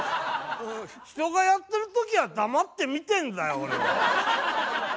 人がやってる時は黙って見てんだよ俺は。